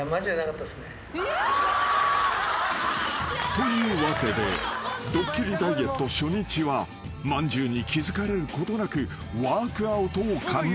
［というわけでドッキリダイエット初日はまんじゅうに気付かれることなくワークアウトを完了］